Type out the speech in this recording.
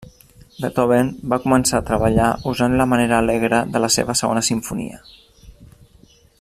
Beethoven va començar a treballar, usant la manera alegre de la seva Segona Simfonia.